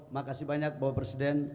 makasih banyak bapak presiden